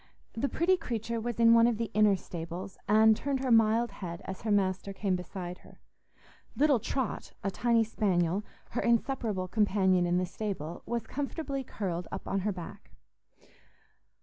The pretty creature was in one of the inner stables, and turned her mild head as her master came beside her. Little Trot, a tiny spaniel, her inseparable companion in the stable, was comfortably curled up on her back.